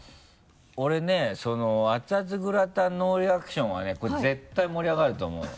俺ね「熱々グラタンノーリアクション」はねこれ絶対盛り上がると思うの。